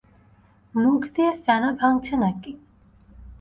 মুখ দিয়ে ফেনা ভাঙছে নাকি?